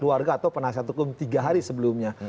keluarga atau penasihat hukum tiga hari sebelumnya